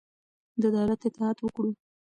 د دولت اطاعت وکړئ.